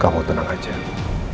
kamu tenang aja kamu tenang aja